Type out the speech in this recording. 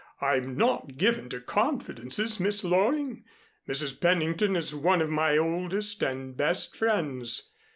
"I'm not given to confidences, Miss Loring. Mrs. Pennington is one of my oldest and best friends.